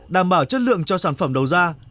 đảm bảo chất lượng cho sản phẩm đầu ra